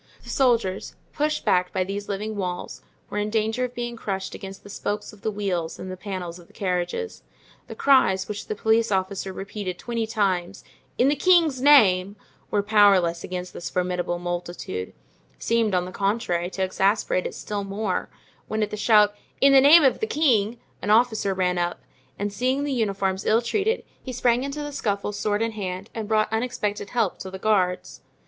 The soldiers, pushed back by these living walls, were in danger of being crushed against the spokes of the wheels and the panels of the carriages. The cries which the police officer repeated twenty times: "In the king's name," were powerless against this formidable multitude—seemed, on the contrary, to exasperate it still more; when, at the shout, "In the name of the king," an officer ran up, and seeing the uniforms ill treated, he sprang into the scuffle sword in hand, and brought unexpected help to the guards.